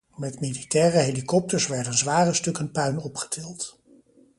Met militaire helikopters werden zware stukken puin opgetild.